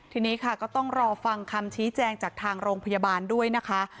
ทีนี้ค่ะก็ต้องรอฟังคำชี้แจงจากทางโรงพยาบาลด้วยนะคะ